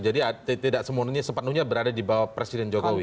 jadi tidak sepenuhnya berada di bawah presiden jokowi